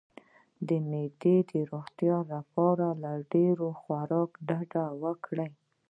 د معدې د روغتیا لپاره له ډیر خوراک ډډه وکړئ